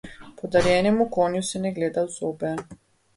Podarjenemu konju se ne gleda v zobe.